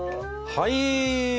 はい！